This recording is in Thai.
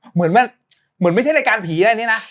เหมือนมันเหมือนไม่ใช่รายการผีอะไรอย่างนี้นะ